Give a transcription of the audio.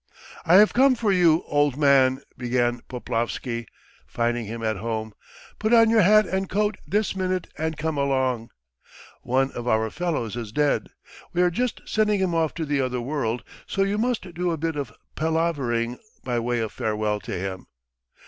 "I have come for you, old man!" began Poplavsky, finding him at home. "Put on your hat and coat this minute and come along. One of our fellows is dead, we are just sending him off to the other world, so you must do a bit of palavering by way of farewell to him.